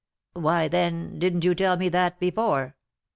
"Why, then, didn't you tell me that before?"